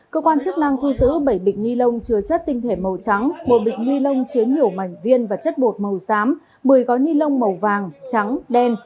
cơ quan chức năng thu giữ bảy bịch ni lông chứa chất tinh thể màu trắng một bịch ni lông chứa nhiều mảnh viên và chất bột màu xám một mươi gói ni lông màu vàng trắng đen